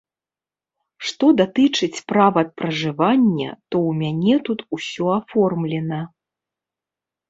Што датычыць права пражывання, то ў мяне тут усё аформлена.